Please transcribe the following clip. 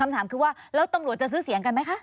คำถามคือว่าแล้วตำรวจจะซื้อเสียงกันไหมคะ